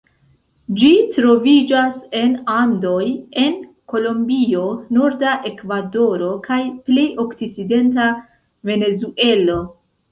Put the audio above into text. Ĝi troviĝas en Andoj en Kolombio, norda Ekvadoro, kaj plej okcidenta Venezuelo.